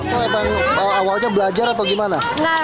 atau emang awalnya belajar atau gimana